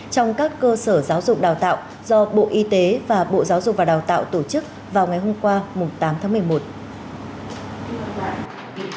trong các cơ sở giáo dục đào tạo do bộ y tế và bộ giáo dục và đào tạo tổ chức vào ngày hôm qua tám tháng một mươi một